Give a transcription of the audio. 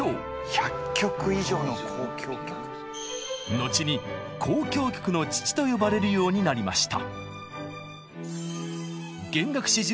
後に「交響曲の父」と呼ばれるようになりました。